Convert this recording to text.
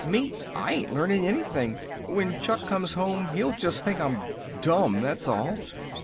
Me, I ain't learning anything. When Chuck comes home he'll just think I'm dumb, that's all.